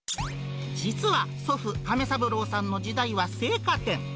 実は祖父、亀三郎さんの時代は青果店。